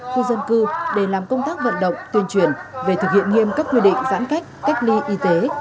khu dân cư để làm công tác vận động tuyên truyền về thực hiện nghiêm các quy định giãn cách cách ly y tế